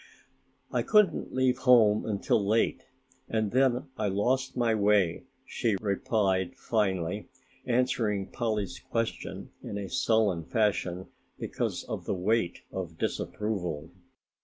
"I couldn't leave home until late and then I lost my way," she replied finally, answering Polly's question in a sullen fashion because of the weight of disapproval.